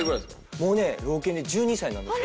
もうね老犬で１２歳なんですよ。